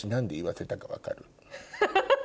ハハハハ！